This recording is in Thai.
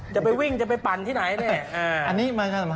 จะไปวิ่งจะไปปั่นที่ไหนเนี่ย